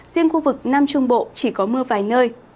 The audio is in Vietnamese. riêng khu vực nam trung bộ chỉ có mưa vài nơi